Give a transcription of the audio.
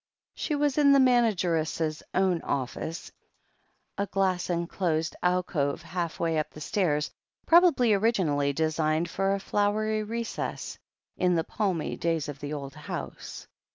She was in the manageress' own office, a glass en closed alcove halfway up the stairs, probably originally designed for a flowery recess, in the palmy days of the old house.